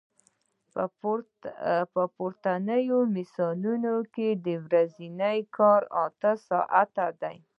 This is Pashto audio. مثلاً په پورتني مثال کې ورځنی کار اته ساعته دی